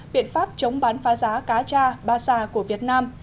viện pháp chống bán phá giá cá cha ba xà của việt nam